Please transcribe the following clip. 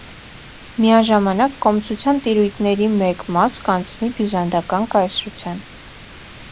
Միաժամանակ կոմսութեան տիրոյթներու մէկ մաս կ՛անցնի բիւզանդական կայսրութեան։